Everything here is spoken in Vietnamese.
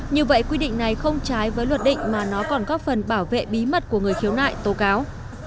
như vậy quy định này không trái với luật định mà nó còn góp phần bảo vệ bí mật của người khiếu nại tố cáo